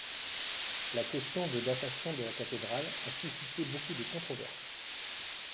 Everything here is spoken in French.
La question de datation de la cathédrale a suscité beaucoup de controverses.